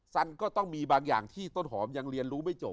สันก็ต้องมีบางอย่างที่ต้นหอมยังเรียนรู้ไม่จบ